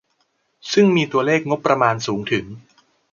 ซึ่งมีตัวเลขงบประมาณสูงถึง